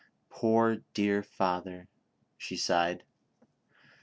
" Poor, dear father !" she sighed.